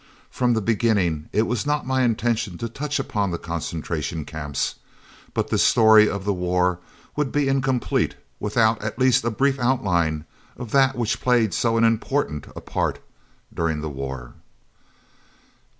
From the beginning it was not my intention to touch upon the Concentration Camps, but this story of the war would be incomplete without at least a brief outline of that which played so important a part during the war.